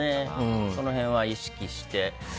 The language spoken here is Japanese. その辺は意識して。